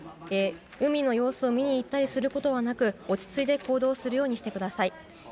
海の様子を見に行ったりすることはなく落ち着いて行動するようにしてください。